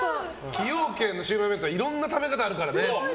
崎陽軒のシウマイ弁当はいろんな食べ方あるからね。